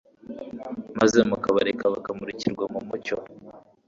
maze mukabareka bakamurikirwa numucyo